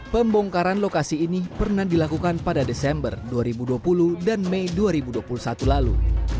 pembongkaran lokasi ini pernah dilakukan pada desember dua ribu dua puluh dan mei dua ribu dua puluh satu lalu